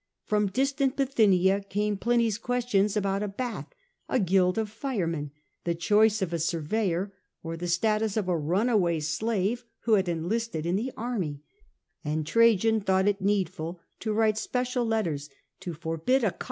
From distant Bithynia came Pliny's questions about a bath, a guild of firemen, the choice of a surveyor, or the status of a runaway slave who had enlisted in the army ; and Trajan thought it needful to write special letters to CH.